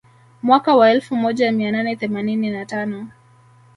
Mwaka wa elfu moja mia nane themanini na tano